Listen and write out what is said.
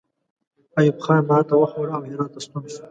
ایوب خان ماته وخوړه او هرات ته ستون شو.